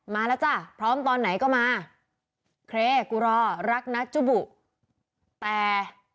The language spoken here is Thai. มาแล้วจ้ะพร้อมตอนไหนก็มาเครกูรอรักนะจุบุแต่